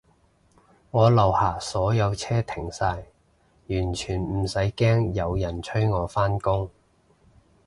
我樓下所有車停晒，完全唔使驚有人催我返工